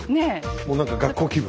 もう何か学校気分。